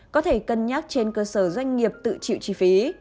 có thể cân nhắc trên cơ sở doanh nghiệp tự chịu chi phí